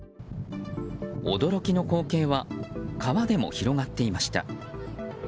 驚きの光景は川でも広がっていました。